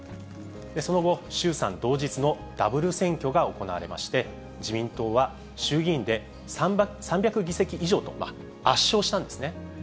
その後、衆参同日のダブル選挙が行われまして、自民党は衆議院で３００議席以上と、圧勝したんですね。